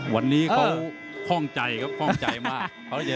วันนี้เขาคล่องใจครับข้องใจมาก